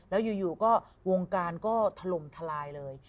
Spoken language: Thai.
แล้วอยู่ก็วงการก็ถล่มทลายเลย